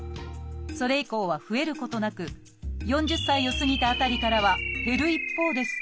それ以降は増えることなく４０歳を過ぎた辺りからは減る一方です。